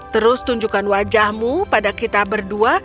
terus tunjukkan wajahmu pada kita berdua